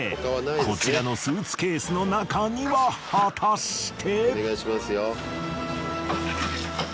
こちらのスーツケースの中には果たして。